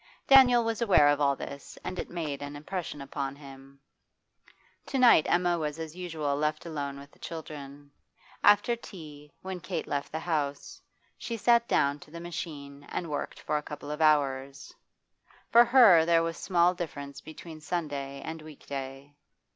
Daniel was aware of all this, and it made an impression upon him. To night Emma was as usual left alone with the children. After tea, when Kate left the house, she sat down to the machine and worked for a couple of hours; for her there was small difference between Sunday and week day.